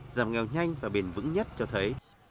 giảm nghèo nhanh và bền vững nhất cho thấy